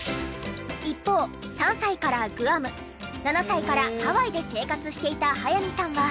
一方３歳からグアム７歳からハワイで生活していた早見さんは。